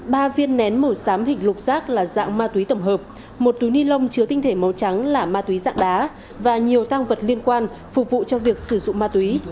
ba viên nén màu xám hình lục rác là dạng ma túy tổng hợp một túi ni lông chứa tinh thể màu trắng là ma túy dạng đá và nhiều tăng vật liên quan phục vụ cho việc sử dụng ma túy